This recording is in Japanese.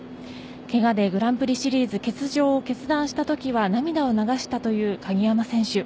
ケガでグランプリシリーズ欠場を決断したときは涙を流したという鍵山選手。